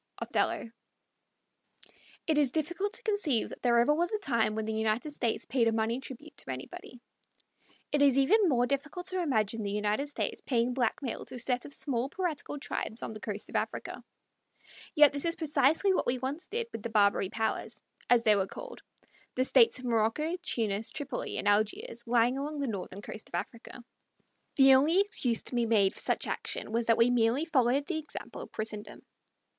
Othello. It is difficult to conceive that there ever was a time when the United States paid a money tribute to anybody. It is even more difficult to imagine the United States paying blackmail to a set of small piratical tribes on the coast of Africa. Yet this is precisely what we once did with the Barbary powers, as they were called the States of Morocco, Tunis, Tripoli, and Algiers, lying along the northern coast of Africa. The only excuse to be made for such action was that we merely followed the example of Christendom.